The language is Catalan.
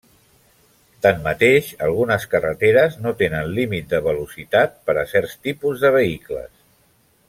Tanmateix, algunes carreteres no tenen límit de velocitat per a certs tipus de vehicles.